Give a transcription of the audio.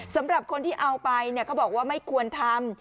สำหรับคนที่เอาไปเขาบอกว่าไม่ควรทำ